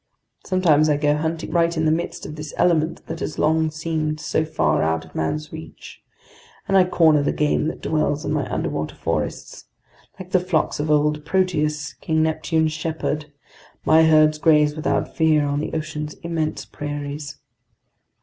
Sometimes I go hunting right in the midst of this element that has long seemed so far out of man's reach, and I corner the game that dwells in my underwater forests. Like the flocks of old Proteus, King Neptune's shepherd, my herds graze without fear on the ocean's immense prairies.